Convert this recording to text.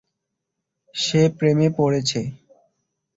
সে প্রেমে পড়েছে।